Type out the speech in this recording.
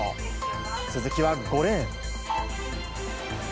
鈴木は５レーン。